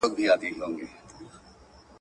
زه اوس مړۍ خورم؟!